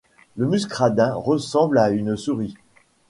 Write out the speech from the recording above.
Le muscradin ressemble à une souris